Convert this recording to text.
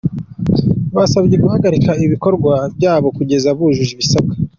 Basabwe guhagarika ibikorwa byabo kugeza bujuje ibisabwa.”